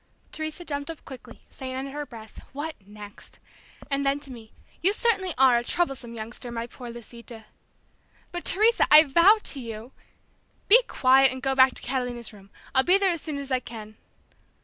Teresa jumped up quickly, saying under her breath, "What next?" and then to me, "You certainly are a troublesome youngster, my poor Lisita!" "But Teresa, I vow to you...." "Be quiet, and go back to Catalina's room! I'll be there as soon as I can!"